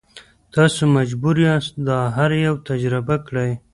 تاسو مجبور یاست دا هر یو تجربه کړئ.